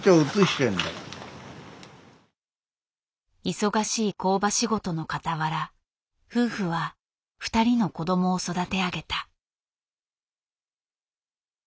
忙しい工場仕事のかたわら夫婦は２人の子どもを育て上げた。